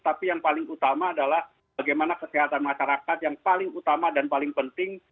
tapi yang paling utama adalah bagaimana kesehatan masyarakat yang paling utama dan paling penting